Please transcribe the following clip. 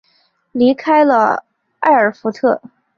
离开了艾尔福特。